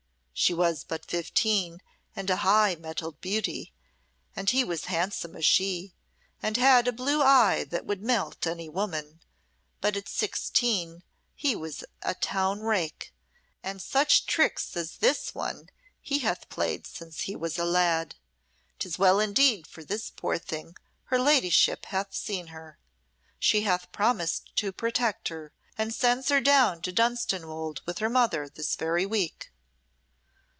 She was but fifteen and a high mettled beauty; and he as handsome as she, and had a blue eye that would melt any woman but at sixteen he was a town rake, and such tricks as this one he hath played since he was a lad. 'Tis well indeed for this poor thing her ladyship hath seen her. She hath promised to protect her, and sends her down to Dunstanwolde with her mother this very week.